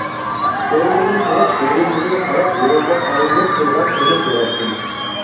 ئورنۇمدىن تۇرۇپ، دېرىزىدىن قاراپ، يولدا ئايلىنىپ تۇرغان ئۇنى كۆرەتتىم.